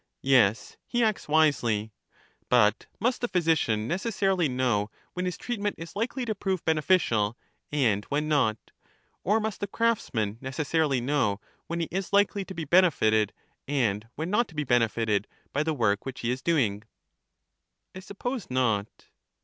Yes, he acts wisely. But must the physician necessarily know when his treatment is likely to prove beneficial, and when not? or must the craftsman necessarily know when he is likely to be benefited, and when not to be benefited, by the work which he is doing? I suppose not.